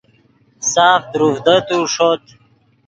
ساف دروڤدتو ݰوت